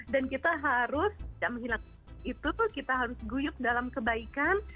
dan kita harus jangan menghilangkan itu kita harus guyup dalam kebaikan